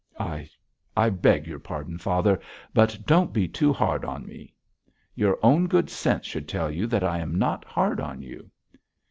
'I I beg your pardon, father, but don't be too hard on me.' 'Your own good sense should tell you that I am not hard on you.'